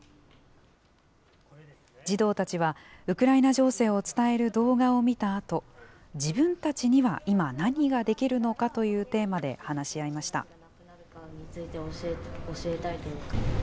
児童たちはウクライナ情勢を伝える動画を見たあと、自分たちには今、何ができるのかというテーマで話し合いました。